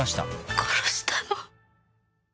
「殺したの？」